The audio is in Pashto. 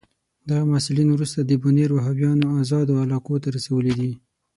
دغه محصلین وروسته د بونیر وهابیانو آزادو علاقو ته رسولي دي.